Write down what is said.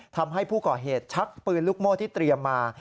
ทำให้ผู้ก่อเหตุชักปืนลูกโม่ที่เตรียมมา